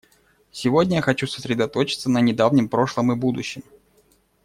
Сегодня я хочу сосредоточиться на недавнем прошлом и будущем.